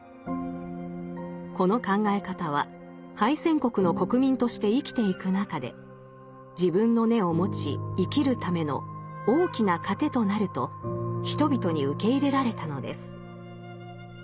この考え方は敗戦国の国民として生きていく中で自分の根を持ち生きるための大きな糧となると人々に受け入れられたのです。